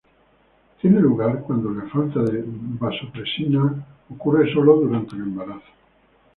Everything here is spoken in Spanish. Tiene lugar cuando la falta de vasopresina ocurre sólo durante el embarazo.